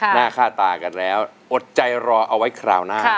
หน้าค่าตากันแล้วอดใจรอเอาไว้คราวหน้า